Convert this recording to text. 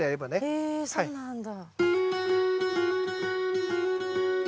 へえそうなんだ。